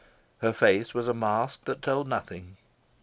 Her face was a mask that told nothing.